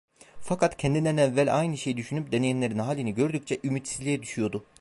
Fakat kendinden evvel aynı şeyi düşünüp deneyenlerin halini gördükçe ümitsizliğe düşüyordu.